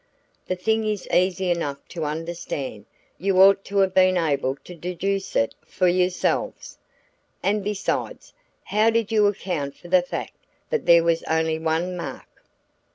The thing is easy enough to understand. You ought to have been able to deduce it for yourselves. And besides, how did you account for the fact that there was only one mark?